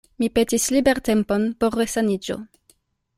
Mi petis libertempon por resaniĝo.